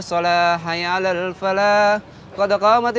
assalamualaikum warahmatullahi wabarakatuh